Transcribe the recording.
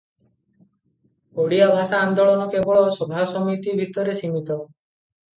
ଓଡ଼ିଆ ଭାଷା ଆନ୍ଦୋଳନ କେବଳ ସଭାସମିତି ଭିତରେ ସୀମିତ ।